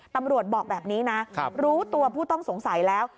บอกแบบนี้นะรู้ตัวผู้ต้องสงสัยแล้ว